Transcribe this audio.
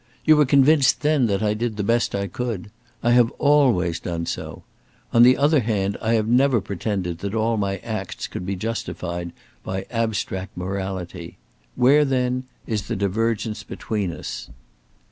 You were convinced then that I did the best I could. I have always done so. On the other hand I have never pretended that all my acts could be justified by abstract morality. Where, then, is the divergence between us?"